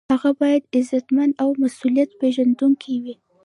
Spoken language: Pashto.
هغه باید عزتمند او مسؤلیت پیژندونکی وي.